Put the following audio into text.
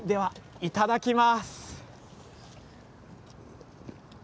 いただきます。